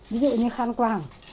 ví dụ như khăn quảng